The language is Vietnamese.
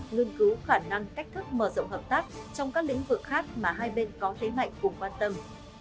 nghiên cứu khả năng cách thức mở rộng hợp tác trong các lĩnh vực khác mà hai bên có thế mạnh cùng quan tâm